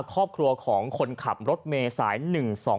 ครอบครัวของคนขับรถเมย์สาย๑๒